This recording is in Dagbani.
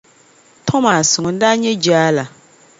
Tomas ŋun daa nyɛ jaa la.